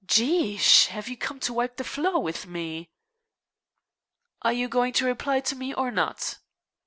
"Jehosh! Have you come to wipe the floor with me?" "Are you going to reply to me or not?"